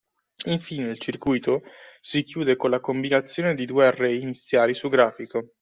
Infine il circuito si chiude con la combinazione dei due array iniziali su grafico